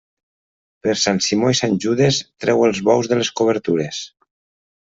Per Sant Simó i Sant Judes, treu els bous de les cobertures.